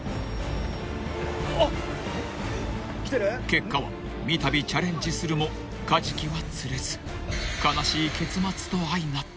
［結果はみたびチャレンジするもカジキは釣れず悲しい結末と相成った］